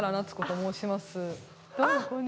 どうもこんにちは。